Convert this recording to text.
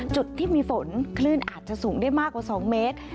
จุดที่มีฝนคลื่นอาจจะสูงได้มากกว่า๒เมตร